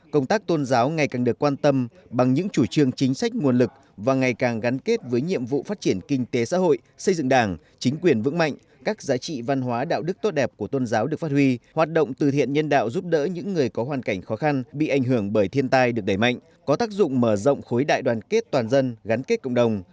công tác tôn giáo ngày càng được quan tâm bằng những chủ trương chính sách nguồn lực và ngày càng gắn kết với nhiệm vụ phát triển kinh tế xã hội xây dựng đảng chính quyền vững mạnh các giá trị văn hóa đạo đức tốt đẹp của tôn giáo được phát huy hoạt động từ thiện nhân đạo giúp đỡ những người có hoàn cảnh khó khăn bị ảnh hưởng bởi thiên tai được đẩy mạnh có tác dụng mở rộng khối đại đoàn kết toàn dân gắn kết cộng đồng